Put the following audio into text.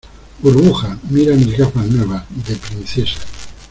burbuja, mira mis gafas nuevas , de princesa.